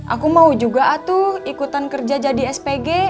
aku mau juga aduh ikutan kerja jadi spg